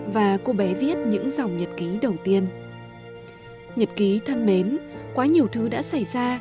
và cô bé viết những dòng nhật ký đầu tiên nhật ký thân mến quá nhiều thứ đã xảy ra